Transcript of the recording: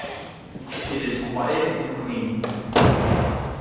It is quiet and clean.